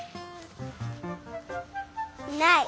ない！